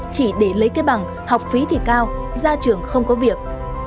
chỉ để lấy cái bằng học phí thì cao gia trường không có việc